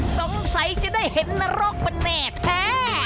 สงสัยจะได้เห็นนรกมันแน่แท้